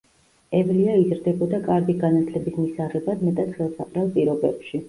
ევლია იზრდებოდა კარგი განათლების მისაღებად მეტად ხელსაყრელ პირობებში.